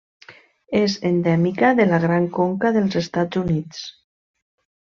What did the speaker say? És endèmica de la Gran Conca dels Estats Units.